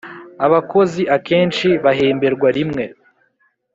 Abakozi Akenshi bahemberwa rimwe.